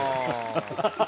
ハハハハ！